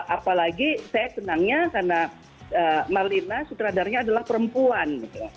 apalagi saya senangnya karena marlina sutradaranya adalah perempuan